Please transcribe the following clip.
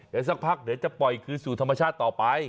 เดี๋ยวสักพักเดี๋ยวจะปล่อยคืนสู่ธรรมชาติต่อไป